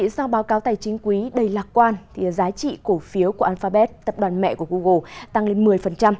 do báo cáo tài chính quý đầy lạc quan giá trị cổ phiếu của alphabet tập đoàn mẹ của google tăng lên một mươi